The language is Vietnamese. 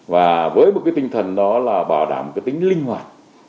và với một cái tinh thần đó là bảo đảm cái tính linh hoạt